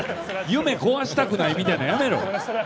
夢壊したくないみたいなんやめろ。